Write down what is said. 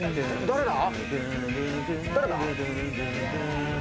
誰だ？